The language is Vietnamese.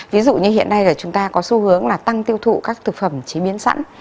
ví dụ như hiện nay là chúng ta có xu hướng là tăng tiêu thụ các thực phẩm chế biến sẵn